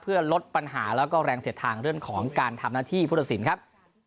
เพื่อลดปัญหาแล้วก็แรงเสียดทางเรื่องของการทำหน้าที่ผู้ตัดสินครับ